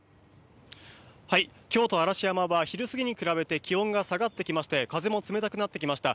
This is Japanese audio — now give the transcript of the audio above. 京都・嵐山は昼過ぎに比べて気温が下がってきまして風も冷たくなってきました。